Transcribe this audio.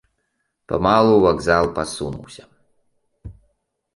Памалу ў вакзал пасунуўся.